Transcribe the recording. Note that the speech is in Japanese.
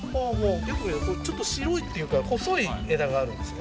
よく見ると、ちょっと白いというか、細い枝があるんですね。